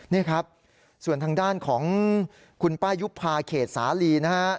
นี่ครับส่วนทางด้านของคุณป้ายุภาเขตสาลีนะฮะ